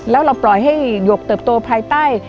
แล้วเราปล่อยให้หยกเติบโตภายใต้